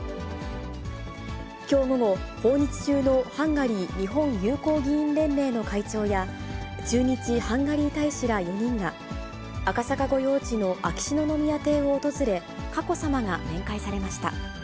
きょう午後、訪日中のハンガリー日本友好議員連盟の会長や、駐日ハンガリー大使ら４人が、赤坂御用地の秋篠宮邸を訪れ、佳子さまが面会されました。